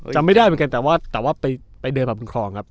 จำไม่ได้เหมือนกันแต่ว่าไปเดินมาบนครองอ่ะ